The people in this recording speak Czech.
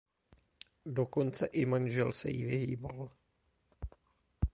Dokonce i manžel se jí vyhýbal.